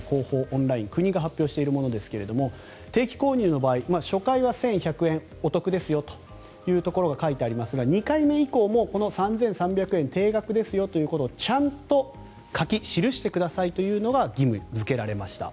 オンライン国が発表しているものですが定期購入の場合初回は１１００円、お得ですよと書いてありますが２回目以降も３３００円定額ですよということをちゃんと書き記してくださいというのが義務付けられました。